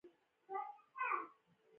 د نورو مرسته کول عبادت دی.